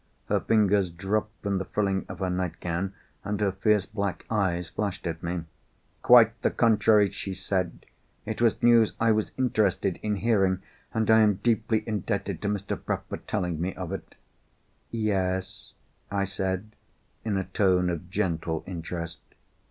Her fingers dropped from the frilling of her nightgown, and her fierce black eyes flashed at me. "Quite the contrary!" she said. "It was news I was interested in hearing—and I am deeply indebted to Mr. Bruff for telling me of it." "Yes?" I said, in a tone of gentle interest.